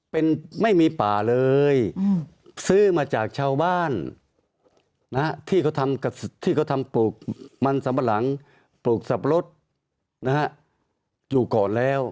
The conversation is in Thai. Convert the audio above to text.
เป็นไม่มีป่าเลยซื้อมาจากชาวบ้านที่เขาทำปลูกมันสัมปะหลังปลูกสับปะรดอยู่ก่อนแล้ว